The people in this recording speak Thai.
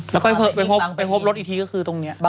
แล้วก็เป็นพรบรถอีกทีตรงนี้